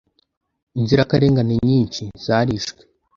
inzirakarengane nyinshi zarishwe